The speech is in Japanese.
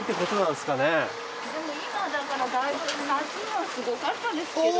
でも今だからだいぶ夏はすごかったですけどね。